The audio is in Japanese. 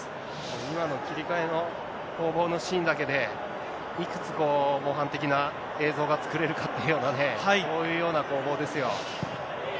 今の切り替えの攻防のシーンだけで、いくつ模範的な映像が作れるかっていうようなね、そういうような攻防ですよ。